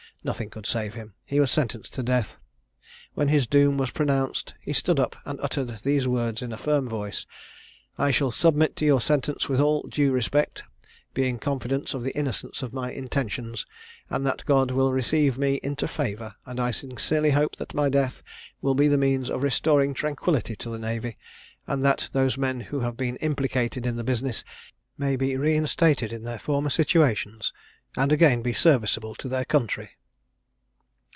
Nothing could save him. He was sentenced to death. When his doom was pronounced, he stood up, and uttered these words in a firm voice: "I shall submit to your sentence with all due respect, being confident of the innocence of my intentions, and that God will receive me into favour; and I sincerely hope that my death will be the means of restoring tranquillity to the navy, and that those men who have been implicated in the business may be reinstated in their former situations, and again be serviceable to their country."